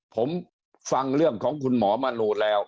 ผมฟังเรื่องของคุณหมอมนูนแล้ว